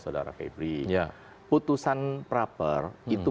saudara febri putusan praper itu